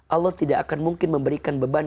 allah tidak akan mungkin memberikan beban